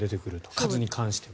数に関しては。